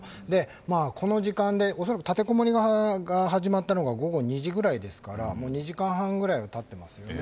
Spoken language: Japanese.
この時間で恐らく立てこもりが始まったのが午後２時ぐらいですから２時間半ぐらいは経っていますよね。